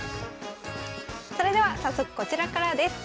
それでは早速こちらからです。